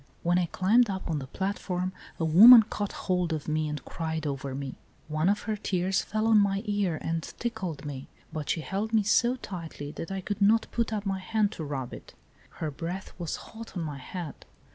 When I climbed up on the platform a woman caught hold of me and cried over me. One of her tears fell on my ear and tickled me ; but she held me so tightly that I could not put up my hand to rub it. Her breath was hot on my head.